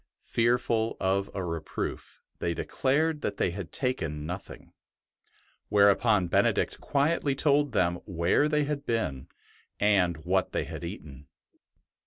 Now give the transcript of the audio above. Fearful of a reproof, the}/ de clared that they had taken nothing; whereupon Benedict quietly told them where they had been and what they had eaten.